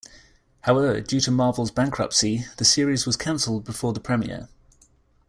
However, due to Marvel's bankruptcy the series was canceled before the premiere.